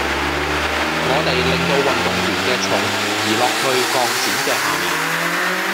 我哋令到運動員嘅重移落去鋼線嘅下面